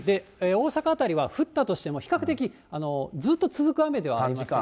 大阪辺りは降ったとしても、比較的ずっと続く雨ではありませんので。